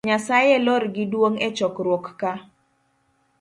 Nyasaye lor gi duong echokruok ka